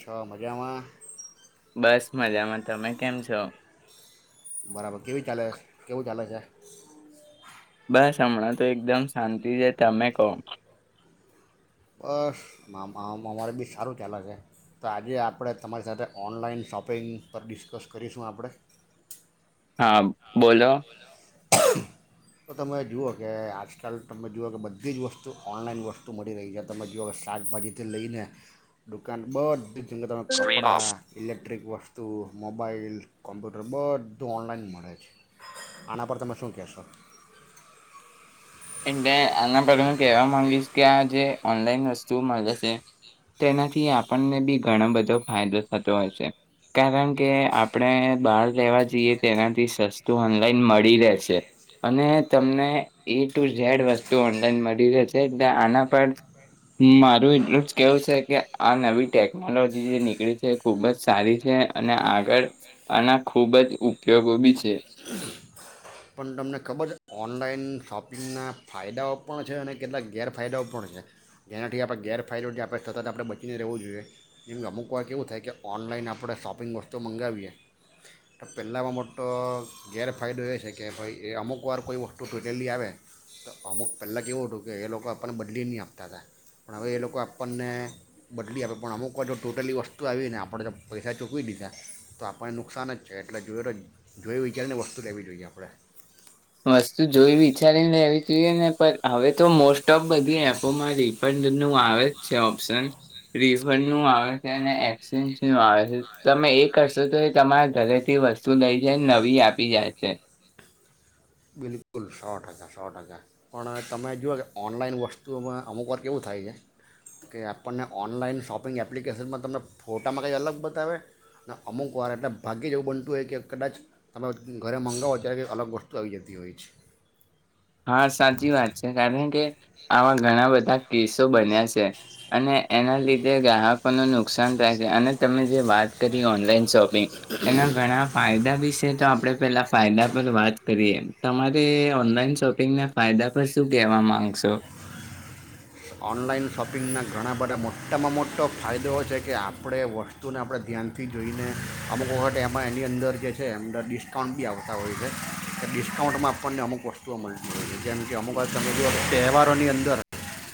છો મજામાં બસ મજામાં તમે કેમ છો. બરાબર કેવી ચાલે કેવું ચાલે છે બસ હમણાં તો એકદમ શાંતિ છે તમે કહો. બસ આમ આમ અમારે બી સારું ચાલે છે તો આજે આપણે તમારી સાથે ઓનલાઈન શોપિંગ પર ડિસ્કસ કરીશું આપણે હા બોલો. તો તમે જુઓ કે આજકાલ તમે જુઓ કે બધી જ વસ્તુ ઓનલાઈન વસ્તુ મળી રહી છે તમે જુઓ કે શાકભાજીથી લઈને, દુકાન બધીંગ તમે કપડા ઇલેક્ટ્રિક વસ્તુ મોબાઈલ કોમ્પ્યુટર બધું ઓનલાઈન મળે છે, આના પર તમે શું કહેશો. એટલે આના પરગ હ કહેવા માંગીશ કે આ જે ઓનલાઈન વસ્તુ મળે છે, તેનાથી આપણને બી ઘણો બધો ફાયદો થતો હોય છે, કારણ કે આપણે બહાર લેવા જઈએ તેનાથી સસ્તું ઓનલાઈન મળી રહેશે, અને તમને એક ઝેડ વસ્તુ ઓનલાઈન મળી રહે છે એટલે આના પર, મારું એટલું જ કેવું છે કે આ નવી ટેકનોલોજી જે નીકળી છે ખૂબ જ સારી છે અને આગળ આના ખૂબ જ ઉપયોગો બી છે. પણ તમને ખબર છે ઓનલાઈન શોપિંગના ફાયદાઓ પણ છે અને કેટલાક ગેરફાયદાઓ પણ છે, જેનાથી આપણે ગેરફાયદો જે આપણે સતત આપણે બચીને રહેવું જોઈએ, જેમ કે અમુક વાર એવું થાય કે ઓનલાઈન આપણે શોપિંગ વસ્તુઓ મંગાવીએ, તો પહેલાં મોટો ગેરફાયદો એ છે કે કે ભાઈ એ અમુકવાર કોઈ વસ્તુ ટૂટેલી આવે, તો અમુક પહેલાં કેવું હતું કે એ લોકો આપણને બદલી નહીં આપતા હતા, પણ હવે એ લોકો આપણને બદલી આપે પણ અમુક વાર જો ટોટેલી વસ્તુ આવી ને આપણે જો પૈસા ચૂકવી દીધા, તો આપણને નુકસાન જ છે, એટલે જોય તો જોય વિચારી ને વસ્તુ લેવી જોઈએ આપણે. પડે. વસ્તુ જોઈ વિચારીને લેવી જોઈએ ને પણ હવે તો મોસ્ટ ઓફ બધી એપોમાં રિફંડનું આવે જ છે ઓપ્શન, રિફંડનું આવે છે અને એક્સચેન્જનું આવે છે તમે એ કરશો તો એ તમારા ઘરેથી વસ્તુ લઈ જાય નવી આપી જાય છે. બિલકુલ સો ટકા સો ટકા, પણ તમે જુઓ કે ઓનલાઈન વસ્તુઓમાં અમુકવાર કેવું થાય છે કે, આપણને ઓનલાઈન શોપિંગ એપ્લિકેશનમાં તમને ફોટામાં કંઈક અલગ બતાવે, અનેને અમુકવાર એટલે ભાગ્ય જેવું બનતું હોય કે કદાચ તમે ઘરે મંગાવો ત્યારે કંઈ અલગ વસ્તુ પ્રવ્યતિ હોય છે. હા સાચી વાત છે કારણ કે આવા ઘણા બધા કેસો બન્યા છે, અને એના લીધે ગ્રાહકોનું નુકસાન થાય છે અને તમે જે વાત કરી ઓનલાઈન શોપ પિંગ એના ઘણા ફાયદા વિશે તો આપડે પેલા ફાયદા પર વાત કરીએ તમારે ઓનલાન શોપ ના ફાયદા પર શું કવા માંગશો? ઓનલાઈન શોપિંગના ઘણા બધા મોટામાં મોટો ફાયદોઓ છે કે આપણે વસ્તુને આપણે ધ્યાનથી જોઈને, અમુક વખત એમાં એની અંદર જે છે અમંદર ડિસ્કાઉન્ટ બી આવતા હોય છે, કે ડિસ્કાઉન્ટમાં આપણને અમુક વસ્તુઓ મળતી હોય છે જેમ કે અમુક વાખત તમે જોઓ તહેવારોની અંદર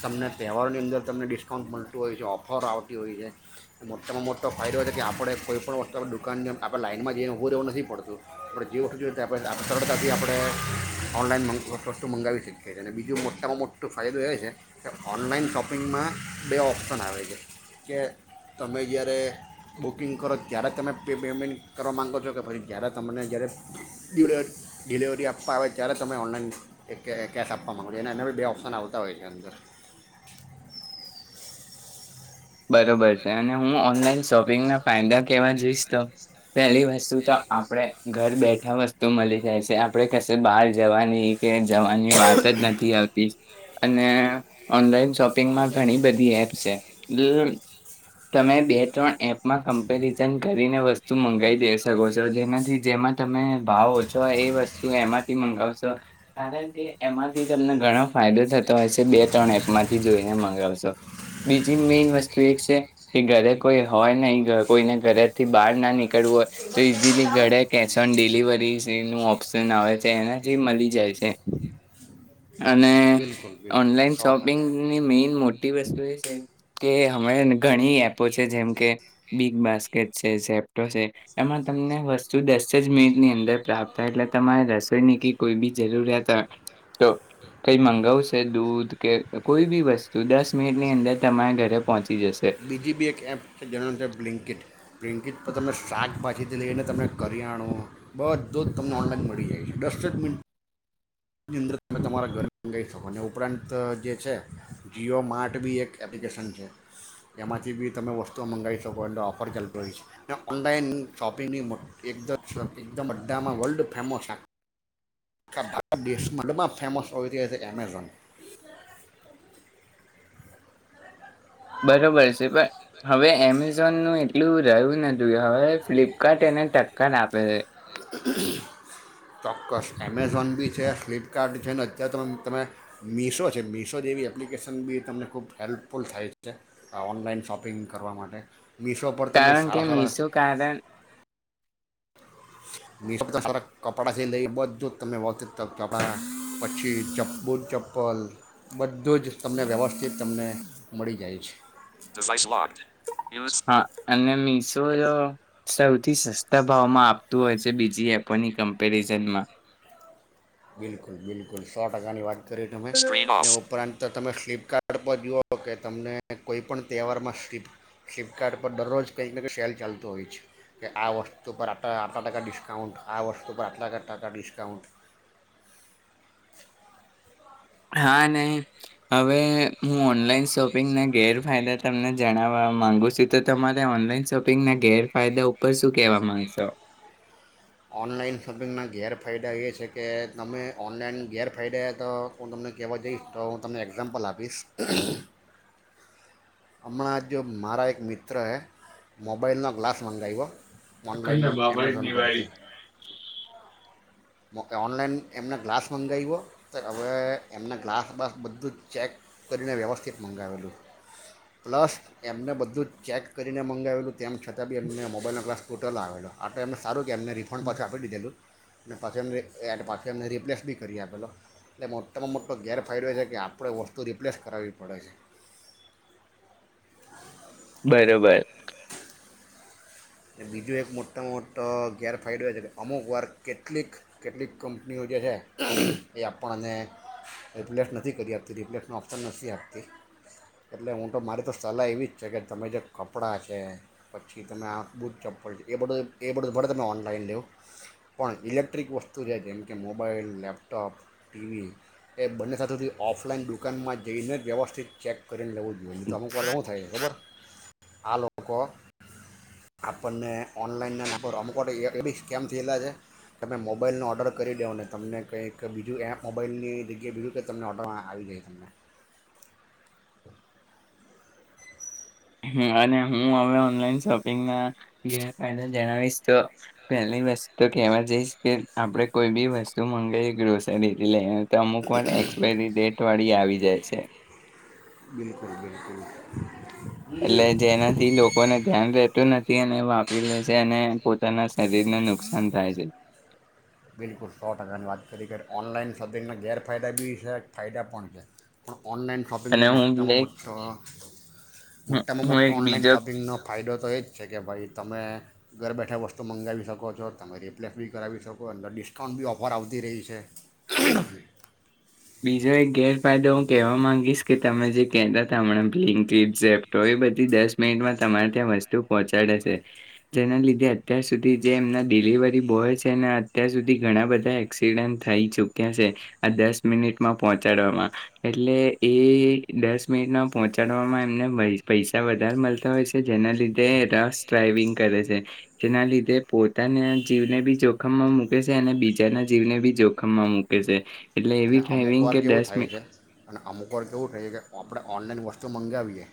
તમને તહેવારોરની અંદર તમને ડિસ્કાઉન્ટ મળતું હોય છે, ઓફર આવતી હોય છે મોટામાં મોટો ફાયદો છે કે આપણે કોઈ પણણ વસ્તુ આપણે દુકાનની આપણે લાઈનમાં જઈને હો રહેવું નથી, પડતું આપ જે વસ્તું જોઈએણે સરળતાથી આપણે ઓનલાઈન વસ્તુ મંગાવી શકીએ છીએ, અને બીજું મોટામાં મોટો ફાયદો એ છે કે ઓનલાઈન શોપિંગમાં, બે ઓપ્શન આવે છે કે તમે જ્યારે બુકિંગ કરો ત્યારે તમે પે પેમેન્ટ કરવા માગો છો કે પછી જ્યારે તમને જ્યારે ડિલવ ડિલેવરી આપવા આવે ત્યારે તમે ઓનલાઈન કે કેશ આપવા માગો છો અને એના બી બે ઓપ્શન આવતા હોય છે અંદર. બરોબર છે અને હું ઓનલાઈન શોપિંગના ફાયદા કેવા જોઈશ તો, પેલી વસ્તુ તો આપણેે ઘર બેઠા વસ્તુ મળી જાય છે આપણે કશે બહાર જવાની કે જવાની વાત જ નથી આવતી. અને ઓનલાઈન શોપિંગમાં ઘણી બધી એપ્સ છે. તમે બે ત્રણ એપમાં કમ્પેરિઝન કરીને વસ્તુ મંગાવી દે શકો છો જેનાથી જેમાં તમે ભાવ ઓછો હોય એ વસ્તુ એમાંથી મંગાવશો, કારણ કે એમાંથી તમને ઘણો ફાયદો થતો હોય છે બે ત્રણ એપમાંથી જોઈને મગાવશો. મેન વસ્તુ એ છે કે, ઘરે કોઈ હોય નહી કોઈને ઘરેથી બહાર ના નીકળવું હોય, તો ઈઝીલી ઘરે કેશ ઓન ડિલિવરી ન ઓપ્શન આવે છે એનાથી મળી જાય છે. અને, બિલકુલ બિલકુલ ઓનલાઈન સો ટકા શોપિંગની મેઈન મોટી વસ્તુ એ છે. કે હમે ઘણી એપો છે જેમ કે બિગ બાસ્કેટ છે જે એમાં તમને વસ્તુ દસ સજ મે ની અંદર પ્રાપ્ત એટલે તમારે રસોઈ ની કે કોઈ બી જરૂરિયાત તો કઈ મંગાવશે દૂધ કે કોઈ બી વસ્તુ દસ મિનિટ ની અંદર તમા ઘરે પહોંચ બીજી બી એક એપ છે જેના અંદર બ્લિંકિટ બ્લિંકિટ તો તમે શાકભાજીથી લઈને તમે કરીયાણો બધું જ તમને ઓનલાઈન મળી જાય છે, દસ જ મિનટની અંદર તમે તમારા ઘરે લઈ શકો, ને ઉપરાંત જે છે જીઓ માર્ટ બી એક એપ્લિકેશન છે. એમાંથી બી તમે વસ્તુઓ મંગાવી શકો એટલે ઓફર ચાલતો હોય છે ઓનલાઈન શોપિંગની એકદ એકદમ બ્ધામાં વર્લ્ડ ફેમસ આખા ભારત દેશમાં ફેમસ અમેઝોન. બરોબર છે પણ હવે એમેઝોનનું એટલું રહ્યું નથી, હવે ફ્લિપકાર્ટ એને ટક્કર આપે છે. ચોક્કસ એમેઝોન બી છે ફ્લિપકાર્ટ છે ને અત્યારે તો તમે મીશો છે મીશો જેવી એપ્લિકેશન બી તમને ખૂબ હેલ્પફુલ થાય છે, આ ઓનલાઈન શોપિંગ કરવા માટે. મીશો પર તમે કારણ કે સારા સારા મીશું કારણ [inaudible] કપડાથી લઈ બધું જ તમને [unintelligible] પછી ચપ્પુ ચપ્પલ બધું જ તમને વ્યવસ્થિત તમને મળી જાય છે. હા અને મીશો જો સૌથી સસ્તા ભાવમાં આપતું હોય છે. જે બીજી એપોની કમ્પેરિઝનમાં. બિલકુલ બિલકુલ સો ટકાની વાત કરી તમે ઉપરાંત તમે ફ્લિપકાર્ટ પર જુઓ કે તમને કોઈ પણ તહેવારમાં ફ્લિપકાર્ટ પર દરરોજ કંઈક ને કંઈક સેલ ચાલતો હોય છે કે આ વસ્તુ પર આ આટલા ટકા ડિસ્કાઉન્ટ આ વસ્તુ પર આટલા ટકા ડિસ્કાઉન્ટ હા ને હવે હું ઓનલાઈન શોપિંગના ગેરફાયદા તમને જણાવવા માંગુ છું તો તમારે ઓનલાઈન શોપિંગના ગેરફાયદા ઉપર શું કેહેવા માંગશો. ઑનલાઈન શોપિંગના ગેરફાયદા એ છે કે તમે ઓનલાઈન ગેરફાયદા તો હું તમને કહેવા જઈશ તો હું તમને એક્ઝામ્પલ આપીશ. હમણાં જો મારા એક મિત્રએ મોબાઈલનો ગ્લાસ મંગાવ્યો અખંડા ઓનલાઈન બાબાઈ એમેઝોન દિવાળી પરથી [unintelligible] ઓનલાઈન એમના ગ્લાસ મંગાવ્યો તો હવે એમના ગ્લાસ બસ બધું જ ચેક કરીને વ્યવસ્થિત મંગાવેલું પ્લસ એમને બધું જ ચેક કરીને મંગાવેલું તેમ છતાં બી એમને મોબાઈલનો ક્લાસ તૂટેલો આવેલો આતો એમ સારું તેમને રિંફંડ પાછુ આપી દીધેલું અને પાછી એમને એડ પાછી એમને રિપ્લેસ બી કરી આપેલો એટલે મોટામાં મોટો ગેરફાયદો એ છે કે આપણે વસ્તુ રિપ્લેસ કરાવવી પડે છે. બરોબર. બીજું એક મોટામાં મોટો ગેરફાયદો એ છે કે અમુક વાર કેટલીક કેટલીક કંપનીઓ જે છે એ આપણને રિપ્લેસ નથી કરી આપતી રિપ્લેસનો ઓપ્શન નથી આપતી એટલે હું તો મારી તો સલાહ એવી જ છે કે તમે જે કપડાં છે પછી તમે આ બૂટ ચપ્પલ છે એ બધું એ બધું ભલે તમે ઓનલાઈન લેવ પણ ઇલેક્ટ્રિક વસ્તુ છે જેમ કે મોબાઈલ લેપટોપ ટીવી એ બંને સાથોથી ઓફલાઈન દુકાનમાં જઈને જ વ્યવસ્થિત ચેક કરી તેને લેવું જોઈએ તો અમુક વાર હું થાય ખબર આ લોકો આપણને ઓનલાઈનના નામ પર અમુક વાર એ બી સ્કેમ થયેલા છે કે તમે મોબાઈલનો ઓર્ડર કરી દેવોને તમને કંઈક બીજું એ મોબાઈલની જગ્યાએ બીજું કે તમને ઓર્ડરમાં આવી જાય તમને. હમ અને હું હવે ઓનલાઈન શોપિંગના ગેરફાયદા જણાવીશ તો પહેલી વસ્તુ કેવા જઈશ કે આપણેે કોઈ બી વસ્તુ મંગાઈ ગ્રોસરીથી લઈ તો અમુક વાર એક્સપાયરી ડેટ વાળી આવી જાય છે. હ [inaudible] બિલકુલ બિલકુલ. એટલે જેનાથી લોકોને ધ્યાન રેહતું નથી. વાપરી લે છે અને પોતાના શરીરને નુકસાન થાય છે. બિલકુલ સો ટકાની વાત કરી કરી ઓનલાઈન શોપિંગના ગેરફાયદા બી છે ફાયદા પણ છે પણ ઓનલાઈન અને શોપિંગનો હું મોટામાં એક મોટો મોટામાં હું મોટો એક ઓનલાઈન બીજો શોપિંગનો ફાયદો તો એ જ છે કે ભાઈ તમે ઘર બેઠા વસ્તુ મંગાવી શકો છો તમે રિપ્લેસ બી કરાવી શકો તો અંદર ડિસ્કાઉન્ટ બી ઓફર આવતી રહી છે. બીજો એક ગેરફાયદો હું કહેવા માંગીશ કે તમે જે કેતા હતા હમણાં બ્લકિટ ઝેપ્ટો એ બધી દસ મિનિટમાં તમારે ત્યાં વસ્તુ પહોંચાડે છે જેના લીધે અત્યાર સુધી જે એમના ડિલિવરી બોય છે ને અત્યાર સુધી ઘણા બધા એક્સિડન્ટ થઈ ચુક્યા છે આ દસ મિનિટમાં પહોંચાડવામાં એટલે એ દસ મિનિટમાં પહોંચાડવામાં એમને પૈસા વધારે મળતા હોય છે જેના લીધે રફ ડ્રાઈવિંગ કરે છે જેના લીધે પોતાના જીવને બી જોખમમાં મૂકે છે અને બીજાના જીવને બી જોખમમાં મૂકે છે. એટલે એવી અને અમુક ડ્રાઈવિંગ વાર કે કેવું દસ થાય મિનિટ છે અને અમુક વાર કે કેવું થાય છે કે આપણે ઓનલાઈન વસ્તુ સ્તુ મંગાવીએ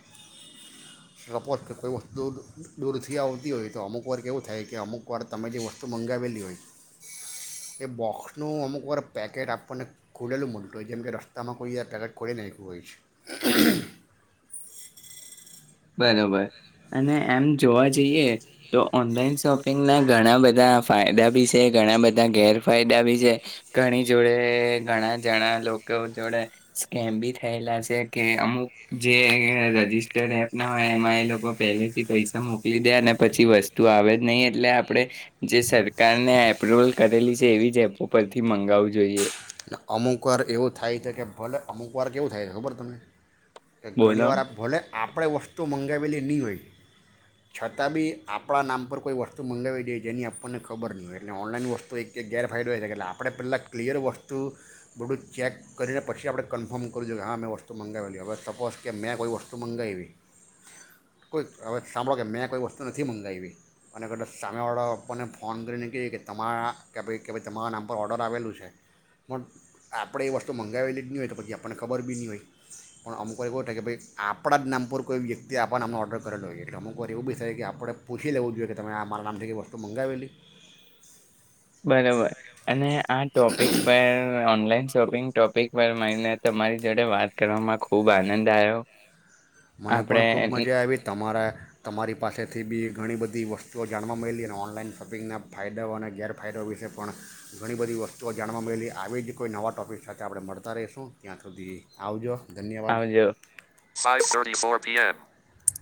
સપોઝ કોઈ વસ્તુ દૂરથી આવતી હોય તો અમુક વાર કેવું થાય કે અમુકવાર તમે જે વસ્તુ મંગાવેલી હોય એ બોક્સનું અમુકવાર પેકેટ આપણને ખોલેલું મલતું હોય જેમ કે રસ્તામાં કોઈ [unintelligible] ખોલી નાખ્યું હોય છે બરોબર અને એમ જોવા જઈએ તો ઓનલાઈન શોપિંગના ઘણા બધા ફાયદા ભી છે ઘણા બધા ગેરફાયદા ભી છે ઘણી જોડે ઘણા જણા લોકો જોડે સ્કેમ ભી થયેલા છે કે અમુક જે રજીસ્ટર એ ના એમાં એ લોકો પહેલેથી પૈસા મોકલી દે અને પછી વસ્તુ આવે જ નહી એટલે આપણેે જે સરકારને એપ્રુવલ કરેલી છે એવી જ એપો પરથી મંગાવું જોઈએ અમુક વાર એવું થાય છે કે ભલે અમુક વાર કેવું થાય છે ખબર તને કે ઘણી બોલો વાર આપ ભોલે આપણે વસ્તુ મંગ મંગાવેલી ની હોય છતાં ભી આપણા નામ પર કોઈ વસ્તુ મંગાવી દઈએ જેની આપણને ખબર નહીં હોય એટલે ઓનલાઈન વસ્તુ એક ગેરફાયદો હો એટલે આપણે પહેલા ક્લિયર વસ્તુ તું બધું ચેક કરીને પછી આપણે કન્ફર્મ કરું દું કે હા મેં વસ્તુ મંગાવેલી હવે સપોઝ કે મેં કોઈ વસ્તુ મંગાવી કોઈક હવે સાંભળો કે મેં કોઈ વસ્તુ નથી મંગાવી અને કદા સામે ઓર્ડર આપવાને ફોન કરીને કહી કે તમારા કે ભાઈ કે ભાઈ તમારા નામ પર ઓર્ડર આવેલું છે પણ આપણે એ વસ્તુ મંગાવેલી જ નહીં હોય તો પછી આપણને ખબર ભી નહીં હોય પણ અમુક વાર એવું થાય કે ભાઈ આપણા જ નામ પર કોઈ વ્યક્તિએ આપણા નામનો ઓર્ડર કરેલો હોય છે એટલે અમુકવાર એવું ભી થાય કે આપણે પૂછી લેવું જોઈએ કે તમે આ મારા નામથી એવી વસ્તુ મંગાવેલી બરોબર અને આ ટોપિક પર ઓનલાઈન શોપિંગ ટોપિક પર મને તમારી જોડે વાત કરવામાં ખુબ આનંદ [unintelligible] મને પણ ખૂબ આપણે મજા આવી તમારા તમારી પાસેથી ભી ઘણી બધી વસ વસ્તુઓ જાણવા મળલી અને ઓનલાઈન શોપિંગના ફાયદાઓ અને ગેરફાયદાઓ વિશે પણ ઘણી બધી વસ્તુઓ જાણવા મળલી આવી જ કોઈ નવા ટોપિક સાથે આપણે મળતા રહીશું ત્યાં સુધી આવજો ધન્યવાદ આવજો. [unintelligible] [unintelligible]